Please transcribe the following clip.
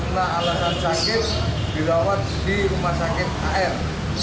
karena alasan sakit dirawat di rumah sakit ar